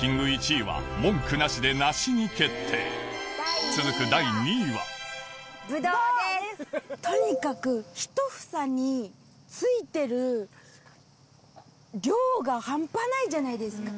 １位は文句なしで梨に決定続くとにかく１房についてる量が半端ないじゃないですか。